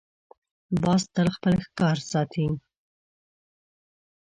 باز تل خپل ښکار ساتي